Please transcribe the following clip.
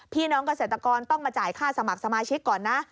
พี่น้องเกษตรกรต้องมาจ่ายค่าสมัครสมาชิกก่อนนะ